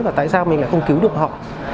và tại sao mình lại không cứu được họ